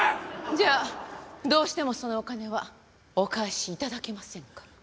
じゃあどうしてもそのお金はお返し頂けませんか？